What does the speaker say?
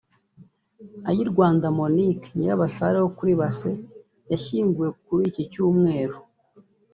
Ayirwanda Monique (Nyirabasare wo kuri Base) yashyinguwe kur iki Cyumweru